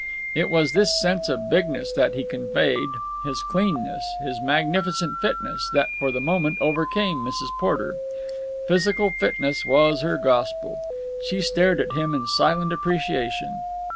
It was this sense of bigness that he conveyed, his cleanness, his magnificent fitness, that for the moment overcame Mrs. Porter. Physical fitness was her gospel. She stared at him in silent appreciation.